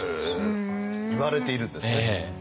いわれているんですね。